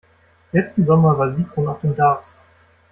Letzten Sommer war Sigrun auf dem Darß.